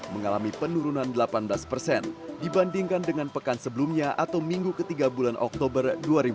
mengalami penurunan delapan belas persen dibandingkan dengan pekan sebelumnya atau minggu ketiga bulan oktober dua ribu dua puluh